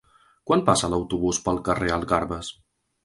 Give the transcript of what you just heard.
Quan passa l'autobús pel carrer Algarves?